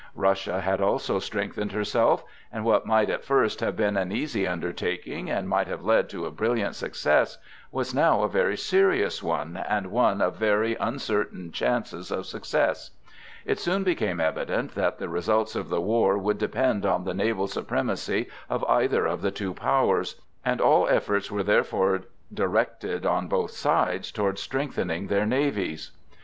Russia had also strengthened herself, and what might at first have been an easy undertaking, and might have led to a brilliant success, was now a very serious one, and one of very uncertain chances of success. It soon became evident that the results of the war would depend on the naval supremacy of either of the two powers, and all efforts were therefore directed on both sides toward strengthening their navies.